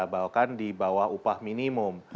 bahkan di bawah upah minimum